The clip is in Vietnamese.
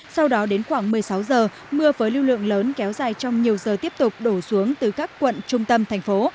sau đó đến khoảng một mươi sáu giờ mưa với lưu lượng lớn kéo dài trong nhiều giờ tiếp tục đổ xuống từ các quận trung tâm thành phố